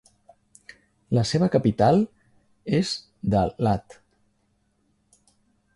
La seva capital és Da Lat.